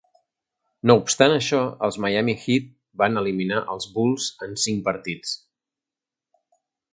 No obstant això, els Miami Heat van eliminar els Bulls en cinc partits.